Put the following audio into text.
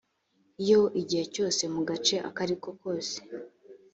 iyo igihe cyose mu gace akariko kose